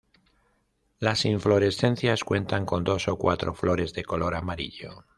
Las inflorescencias cuentan con dos o cuatro flores de color amarillo.